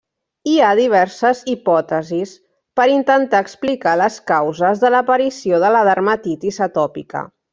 Hi ha diverses hipòtesis per intentar explicar les causes de l'aparició de la dermatitis atòpica.